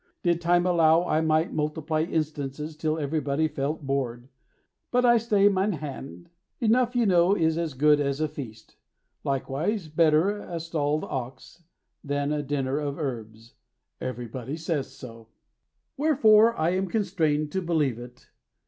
Did time allow I might multiply instances Till Everybody felt bored, But I stay min' hand; Enough, you know, is as good as a feast; Likewise, better a stalled ox Than a dinner of herbs; Everybody says so, Wherefore I am constrained to believe it.